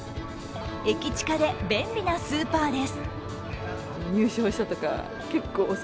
駅チカで便利なスーパーです。